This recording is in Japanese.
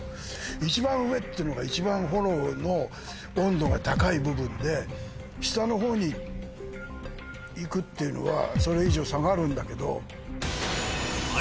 一番上っていうのが一番炎の温度が高い部分で下の方にいくっていうのはそれ以上下がるんだけど。